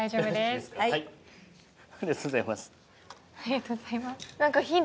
ありがとうございます。